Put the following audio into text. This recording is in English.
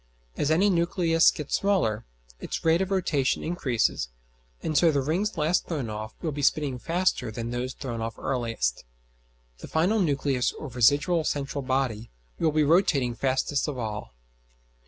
As any nucleus gets smaller, its rate of rotation increases, and so the rings last thrown off will be spinning faster than those thrown off earliest. The final nucleus or residual central body will be rotating fastest of all.